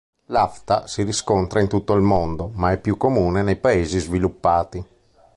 L'afta si riscontra in tutto il mondo, ma è più comune nei paesi sviluppati.